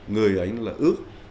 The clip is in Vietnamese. người anh là ước